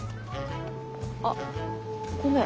あごめん